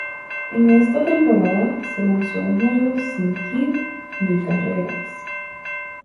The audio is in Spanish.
En esta temporada se lanzó un juego sin hit ni carreras.